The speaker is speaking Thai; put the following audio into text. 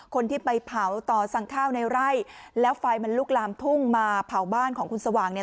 คนที่ไปเผาต่อสั่งข้าวในไร่แล้วไฟมันลุกลามทุ่งมาเผาบ้านของคุณสว่างเนี่ย